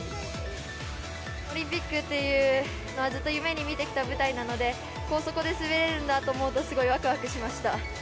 オリンピックというずっと夢にみてきた舞台なので、そこで滑れるんだと思うと、すごいわくわくしました。